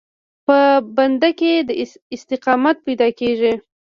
په بنده کې استقامت پیدا کېږي.